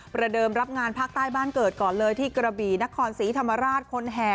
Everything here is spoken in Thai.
เดิมรับงานภาคใต้บ้านเกิดก่อนเลยที่กระบี่นครศรีธรรมราชคนแห่